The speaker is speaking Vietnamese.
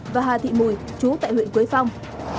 và hà thị mùi chú tại huyện quế phong